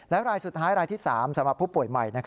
และรายสุดท้ายรายที่๓สำหรับผู้ป่วยใหม่